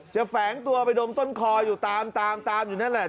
แฝงตัวไปดมต้นคออยู่ตามตามอยู่นั่นแหละ